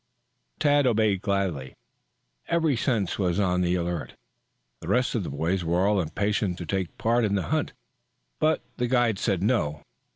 Tad obeyed gladly. Every sense was on the alert. The rest of the boys were all impatience to take part in the hunt. But the guide said no.